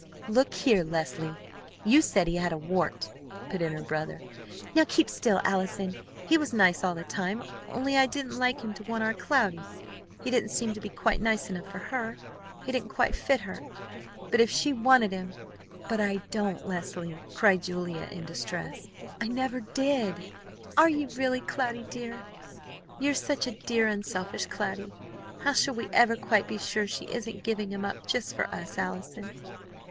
"Look here! Leslie, you said he had a wart!" put in her brother. "Now keep still, Allison. He was nice all the time; only I didn't like him to want our Cloudy. He didn't seem to be quite nice enough for her. He didn't quite fit her. But if she wanted him " "But I don't, Leslie," cried Julia Cloud in distress. "I never did!" "Are you really true, Cloudy, dear? You're such a dear, unselfish Cloudy. How shall we ever quite be sure she isn't giving him up just for us, Allison?"